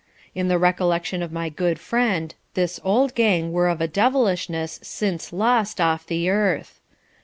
In the recollection of my good friend this "old gang" were of a devilishness since lost off the earth.